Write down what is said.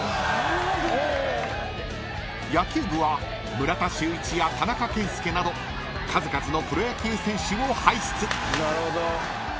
［村田修一や田中賢介など数々のプロ野球選手を輩出］